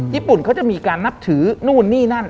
ญี่ปุ่นเขาจะมีการนับถือนู่นนี่นั่น